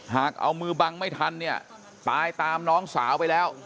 หากเอามือบังไม่ทันเนี่ยตายตามน้องสาวไปแล้ว